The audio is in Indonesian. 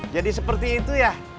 jadi seperti itu ya